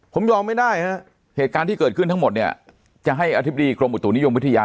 ผมยอมไม่ได้ฮะเหตุการณ์ที่เกิดขึ้นทั้งหมดเนี่ยจะให้อธิบดีกรมอุตุนิยมวิทยา